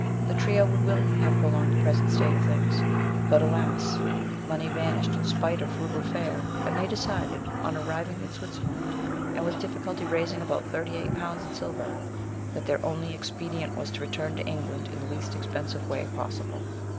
The trio would willingly have prolonged the present state of things ; but, alas ! money vanished in spite of frugal fare, and 72 MRS. SHELLEY. they decided, on arriving in Switzerland, and with difficulty raising about thirty eight pounds in silver, that their only expedient was to return to England in the least expensive way possible.